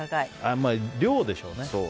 まあ、量でしょうね。